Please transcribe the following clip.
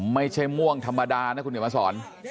ไม่ใช่ม่วงธรรมดานะคุณเดี๋ยวมาสอน